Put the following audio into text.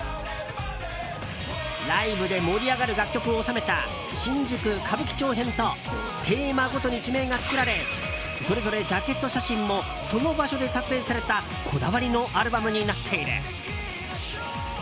ライブで盛り上がる楽曲を収めた「新宿歌舞伎町編」とテーマごとに地名がつけられそれぞれジャケット写真もその場所で撮影されたこだわりのアルバムになっている。